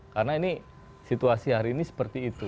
karena ini situasi hari ini seperti itu